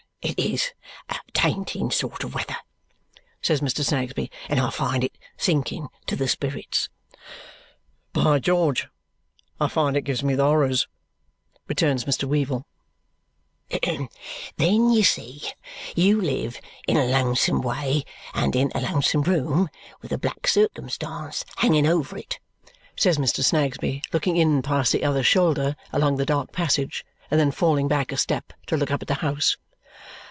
"It IS a tainting sort of weather," says Mr. Snagsby, "and I find it sinking to the spirits." "By George! I find it gives me the horrors," returns Mr. Weevle. "Then, you see, you live in a lonesome way, and in a lonesome room, with a black circumstance hanging over it," says Mr. Snagsby, looking in past the other's shoulder along the dark passage and then falling back a step to look up at the house.